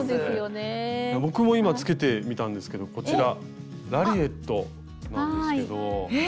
僕も今つけてみたんですけどこちらラリエットなんですけど。え！